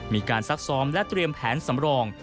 ซักซ้อมและเตรียมแผนสำรอง